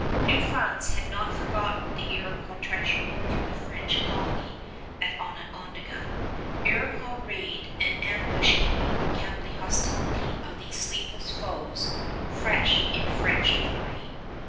New France had not forgotten the Iroquois treachery to the French colony at Onondaga. Iroquois raid and ambuscade kept the hostility of these sleepless foes fresh in French memory.